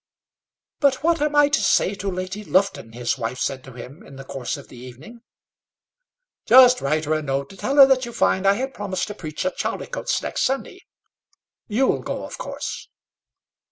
"But what am I to say to Lady Lufton?" his wife said to him, in the course of the evening. "Just write her a note, and tell her that you find I had promised to preach at Chaldicotes next Sunday. You'll go, of course?"